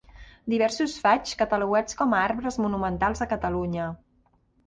Diversos faigs catalogats com a arbres monumentals de Catalunya.